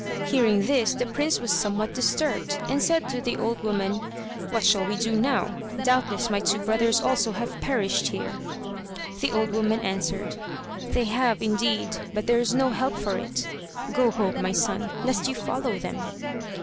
Hearing this, the prince was somewhat disturbed, and said to the old woman: "What shall we do now? Doubtless my two brothers also have perished here." The old woman answered: "They have indeed; but there's no help for it. Go home, my son, lest you follow them."